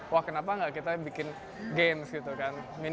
wah kenapa nggak kita bikin games gitu kan